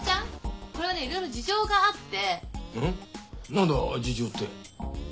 何だ事情って？